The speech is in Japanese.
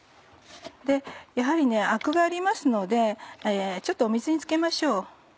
やはりアクがありますので水に漬けましょう。